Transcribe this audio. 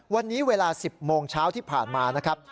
วันนี้เวลา๑๐โมงเช้าที่ผ่านมานะครับ